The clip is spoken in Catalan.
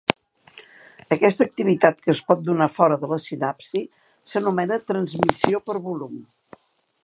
Aquesta activitat que es pot donar fora de la sinapsi s'anomena transmissió per volum.